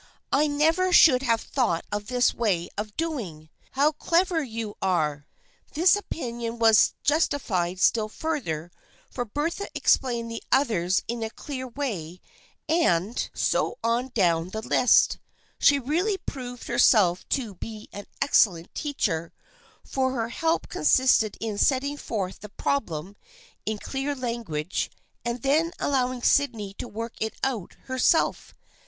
I never should have thought of this way of doing. How clever you are !" This opinion was justified still further, for Bertha explained the others in as clear a way, and 306 THE FRIENDSHIP OF ANNE so on down the list. She really proved herself to be an excellent teacher, for her help consisted in setting forth the problem in clear language and then allowing Sydney to work it out herself.